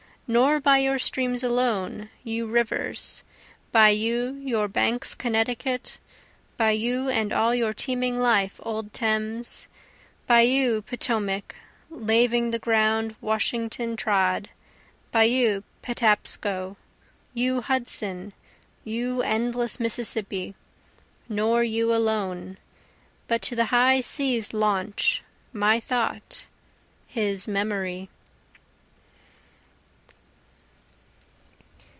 Nor by your streams alone, you rivers, By you, your banks Connecticut, By you and all your teeming life old Thames, By you Potomac laving the ground Washington trod, by you Patapsco, You Hudson, you endless Mississippi nor you alone, But to the high seas launch, my thought, his memory.